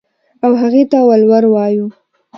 او هغې ته ولور وايو.